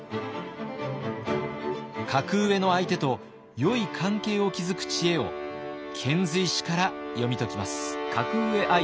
格上の相手とよい関係を築く知恵を遣隋使から読み解きます。